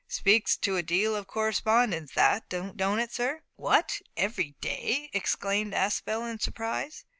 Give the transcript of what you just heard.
Speaks to a deal of correspondence that, don't it, sir?" "What! every day?" exclaimed Aspel in surprise.